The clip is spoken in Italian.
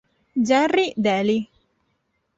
Gerry Daly